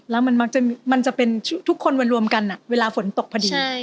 แล้วมันมักจะเป็นทุกคนมารวมกันเวลาฝนตกพอดี